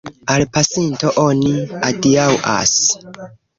Al pasinto oni adiaŭas.